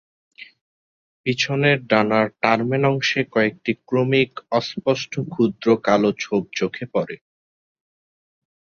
পিছনের ডানার টার্মেন অংশে কয়েকটি ক্রমিক অস্পষ্ট ক্ষুদ্র কালো ছোপ চোখে পড়ে।